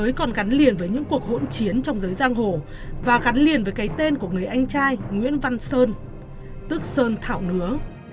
mới còn gắn liền với những cuộc hỗn chiến trong giới giang hồ và gắn liền với cái tên của người anh trai nguyễn văn sơn tức sơn thạo nứa